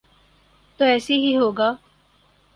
تو ایسے ہی ہوگا۔